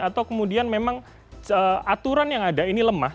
atau kemudian memang aturan yang ada ini lemah